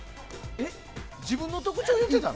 自分の特徴言ってたの？